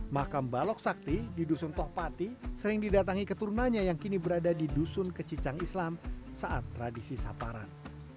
makam balok sakti di dusun tohpati sering didatangi keturunannya yang kini berada di dusun kecicang islam saat tradisi saparan